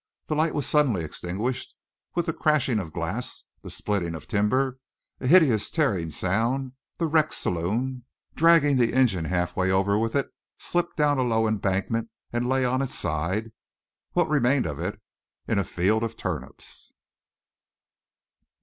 The light was suddenly extinguished. With the crashing of glass, the splitting of timber a hideous, tearing sound the wrecked saloon, dragging the engine half way over with it, slipped down a low embankment and lay on its side, what remained of it, in a field of turnips.